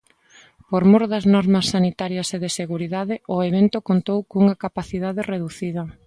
Por mor das normas sanitarias e de seguridade, o evento contou cunha capacidade reducida.